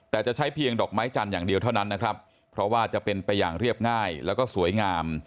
แต่จะใช้เพียงดอกไม้จันทร์อย่างเดียวเท่านั้นนะครับเพราะว่าจะเป็นไปอย่างเรียบง่ายแล้วก็สวยงาม